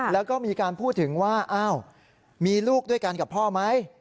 แล้วก็มีการพูดถึงว่าอ้าวมีลูกด้วยกันกับพ่อไหม